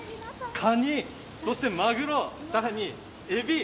カニ、マグロさらにエビ。